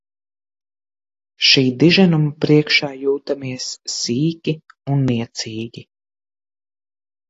Šī diženuma priekšā jūtamies sīki un niecīgi.